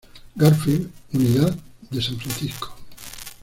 Garfield, Unidad de San Francisco.